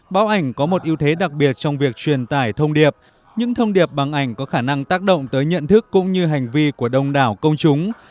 báo ảnh có một ưu thế đặc biệt trong việc truyền tải thông điệp những thông điệp bằng ảnh có khả năng tác động tới nhận thức cũng như hành vi của đông đảo công chúng